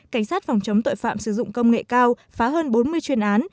cảnh sát phòng chống tội phạm sử dụng công nghệ cao phá hơn bốn mươi chuyên án